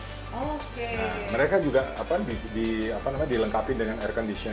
nah mereka juga apa namanya dilengkapi dengan air condition